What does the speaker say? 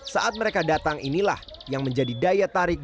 saat mereka datang inilah yang menjadi daya tarik